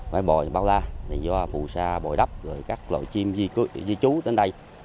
bãi bồi bao la do phù sa bồi đắp rồi các loại chim di trú đến đây